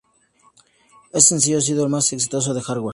Este sencillo ha sido el más exitoso de Hardwell.